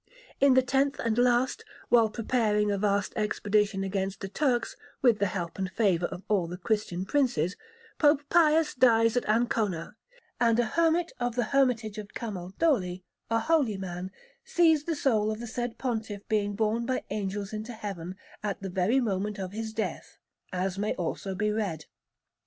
In the tenth and last, while preparing a vast expedition against the Turks with the help and favour of all the Christian Princes, Pope Pius dies at Ancona; and a hermit of the Hermitage of Camaldoli, a holy man, sees the soul of the said Pontiff being borne by Angels into Heaven at the very moment of his death, as may also be read.